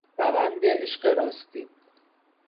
روند عشق راستین